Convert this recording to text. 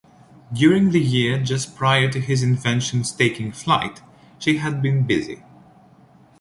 During the year just prior to his invention's taking flight, she had been busy.